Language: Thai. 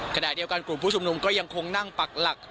ขณะเดียวกันกลุ่มผู้ชุมนุมก็ยังคงนั่งปักหลัก